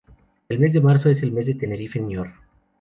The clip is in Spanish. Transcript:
El mes de marzo es el mes de Tenerife Noir.